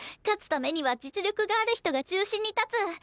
勝つためには実力がある人が中心に立つ。